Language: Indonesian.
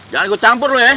jangan gue campur lu ya